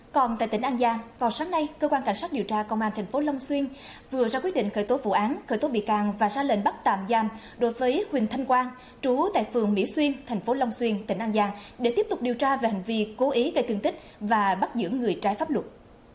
còn tại tỉnh an giang vào sáng nay cơ quan cảnh sát điều tra công an tp long xuyên vừa ra quyết định khởi tố vụ án khởi tố bị can và ra lệnh bắt tạm giam đối với huỳnh thanh quang trú tại phường mỹ xuyên tp long xuyên tỉnh an giang để tiếp tục điều tra về hành vi cố ý gây thương tích và bắt giữ người trái pháp luật